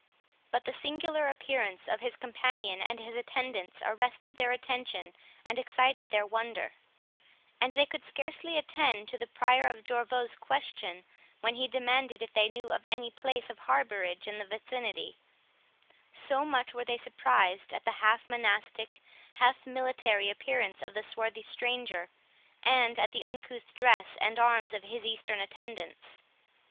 But the singular appearance of his companion and his attendants, arrested their attention and excited their wonder, and they could scarcely attend to the Prior of Jorvaulx' question, when he demanded if they knew of any place of harbourage in the vicinity; so much were they surprised at the half monastic, half military appearance of the swarthy stranger, and at the uncouth dress and arms of his Eastern attendants.